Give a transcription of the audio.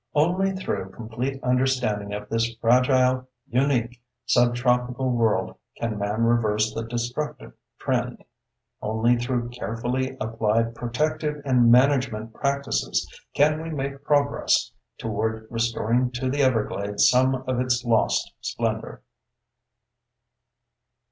Only through complete understanding of this fragile, unique subtropical world can man reverse the destructive trend. Only through carefully applied protective and management practices can we make progress toward restoring to the Everglades some of its lost splendor.